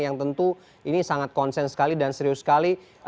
yang tentu ini sangat konsen sekali dan serius sekali